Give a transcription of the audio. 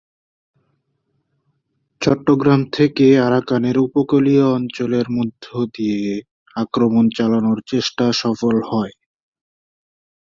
চট্টগ্রাম থেকে আরাকানের উপকূলীয় অঞ্চলের মধ্য দিয়ে আক্রমণ চালানোর চেষ্টা সফল হয়।